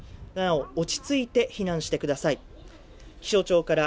なお、落ち着いて避難してください。